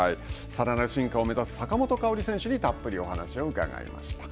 さらなる進化を目指す坂本花織選手にたっぷりお話を伺いました。